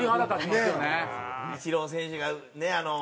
イチロー選手がねあの。